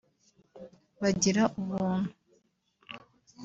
bagira ubumuntu